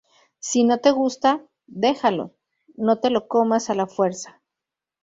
Si no te gusta, déjalo, no te lo comas a la fuerza